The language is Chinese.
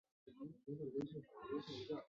他们说出席委员都在睡觉